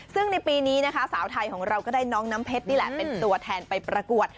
ซึ่งในปีนี้นะคะสาวไทยของเราก็ได้น้องน้ำเพชรนี่แหละเป็นตัวแทนไปประกวด